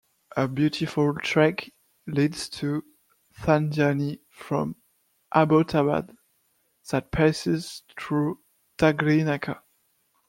A beautiful trek leads to Thandiani from Abbottabad that passes through Dagri naka.